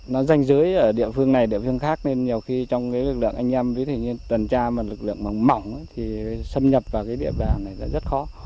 nó danh dưới ở địa phương này địa phương khác nên nhiều khi trong lực lượng anh em với tần tra và lực lượng mỏng mỏng thì xâm nhập vào địa phương này là rất khó